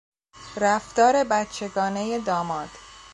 رفتار بچهگانهی داماد